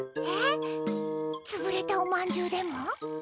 えっつぶれたおまんじゅうでも？